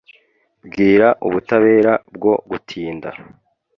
Bwira ubutabera bwo gutinda: